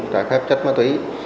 trả phép chất ma túy